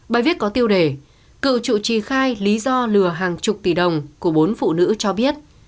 bài viết có tiêu đề cựu chủ trì khai lý do lừa hàng chục tỷ đồng của bốn phụ nữ cho biết